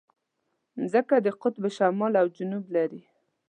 مځکه د قطب شمال او جنوب لري.